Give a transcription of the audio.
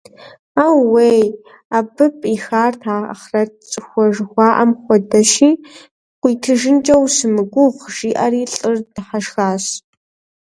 Аууей, абы пӀихар ахърэт щӀыхуэ жыхуаӀэм хуэдэщи, къыуитыжынкӀэ ущымыгугъ, – жиӀэри лӀыр дыхьэшхащ.